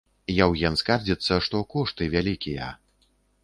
Яўген скардзіцца, што кошты вялікія.